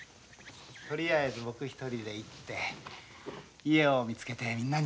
とりあえず僕一人で行って家を見つけてみんなにも来てもらう。